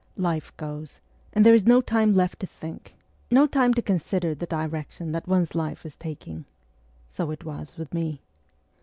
Life goes, and there is no time left to think, no time to consider the direction that one's life is taking. So it was with me.